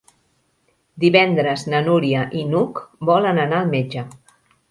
Divendres na Núria i n'Hug volen anar al metge.